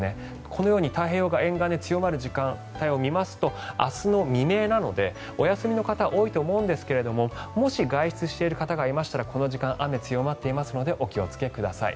このように太平洋側沿岸で強まる時間明日の未明なのでお休みの方が多いと思うんですがもし外出している方がいましたらこの時間は雨強まっていますのでお気をつけください。